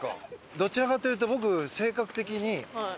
どちらかというと。